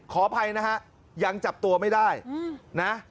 ขออภัยนะฮะยังจับตัวไม่ได้นะ